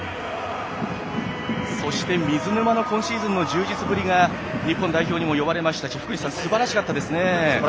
そして、水沼の今シーズンの充実ぶりが日本代表にも呼ばれましたし福西さん、すばらしかったですね。